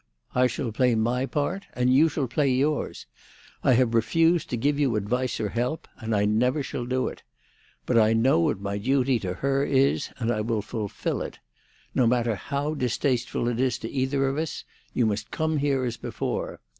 I shall play my part, and you shall play yours. I have refused to give you advice or help, and I never shall do it. But I know what my duty to her is, and I will fulfil it. No matter how distasteful it is to either of us, you must come here as before.